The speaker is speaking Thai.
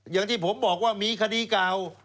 อย่างที่ผมบอกว่ามีคดีเก่า